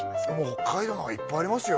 北海道なんかいっぱいありますよ